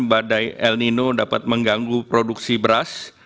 badai el nino dapat mengganggu produksi beras